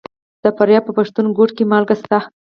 د فاریاب په پښتون کوټ کې مالګه شته.